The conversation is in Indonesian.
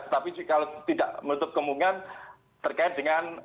tapi kalau tidak menutup kemungkinan terkait dengan